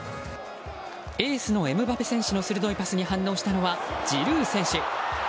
エースのエムバペ選手の鋭いパスに反応したのはジルー選手。